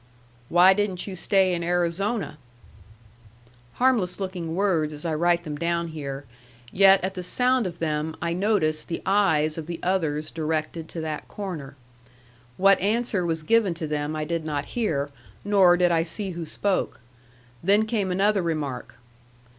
"Why didn't you stay in Arizona?" Harmless looking words as I write them down here. Yet at the sound of them I noticed the eyes of the others directed to that corner. What answer was given to them I did not hear, nor did I see who spoke. Then came another remark.